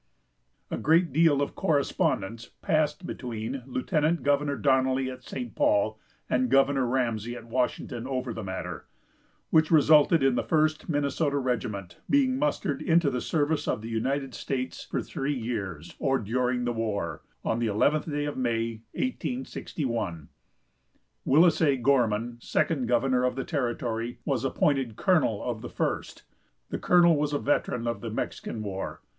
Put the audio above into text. A great deal of correspondence passed between Lieutenant Governor Donnelly at St. Paul and Governor Ramsey at Washington over the matter, which resulted in the First Minnesota Regiment being mustered into the service of the United States for three years, or during the war, on the eleventh day of May, 1861. Willis A. Gorman, second governor of the territory, was appointed colonel of the First. The colonel was a veteran of the Mexican War.